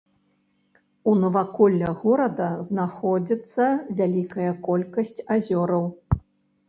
У наваколлях горада знаходзіцца вялікая колькасць азёраў.